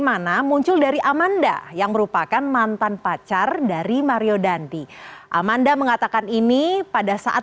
mana muncul dari amanda yang merupakan mantan pacar dari mario dandi amanda mengatakan ini pada saat